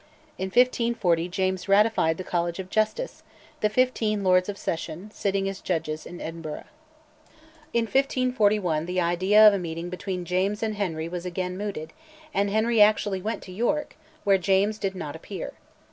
In 1540 James ratified the College of Justice, the fifteen Lords of Session, sitting as judges in Edinburgh. In 1541 the idea of a meeting between James and Henry was again mooted, and Henry actually went to York, where James did not appear.